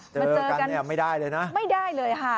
เจอกันเนี่ยไม่ได้เลยนะไม่ได้เลยค่ะ